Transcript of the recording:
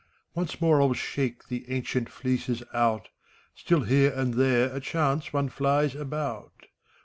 Once more I'll shake the ancient fleeces out : Still here and there a chance one flies about.